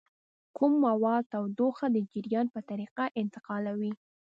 کوم مواد تودوخه د جریان په طریقه انتقالوي؟